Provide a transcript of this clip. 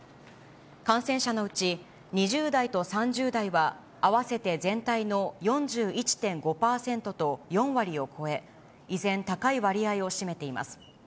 感染者のうち、２０代と３０代は合わせて全体の４１．５％と４割を超え、依然高い割合を占めています。